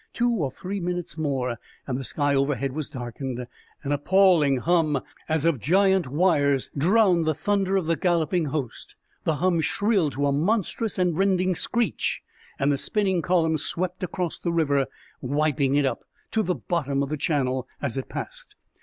Two or three minutes more, and the sky overhead was darkened. An appalling hum, as of giant wires, drowned the thunder of the galloping host. The hum shrilled to a monstrous and rending screech, and the spinning column swept across the river, wiping it up to the bottom of the channel as it passed.